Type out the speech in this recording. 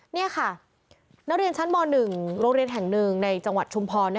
นี่ค่ะนักเรียนชั้นม๑โรงเรียนแห่งหนึ่งในจังหวัดชุมพร